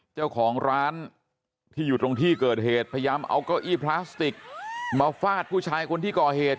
เจ้าของร้านที่อยู่ตรงที่เกิดเหตุพยายามเอาเก้าอี้พลาสติกมาฟาดผู้ชายคนที่ก่อเหตุ